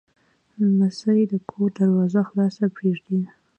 لمسی د کور دروازه خلاصه پرېږدي.